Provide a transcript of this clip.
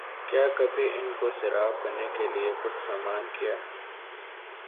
کیا کبھی ان کو سیراب کرنے کیلئے کچھ سامان کیا